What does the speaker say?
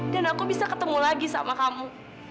dan aku bisa ketemu lagi sama kamu